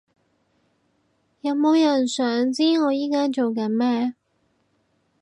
有冇人想知我而家做緊咩？